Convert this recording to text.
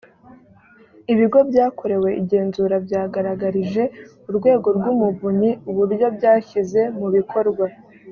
ibigo byakorewe igenzura byagaragarije urwego rw umuvunyi uburyo byashyize mu bikorwa